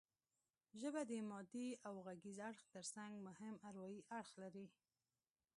ژبه د مادي او غږیز اړخ ترڅنګ مهم اروايي اړخ لري